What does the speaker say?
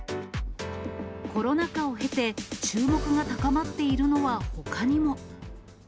コロナ禍を経て、注目が高まっているのはほかにも。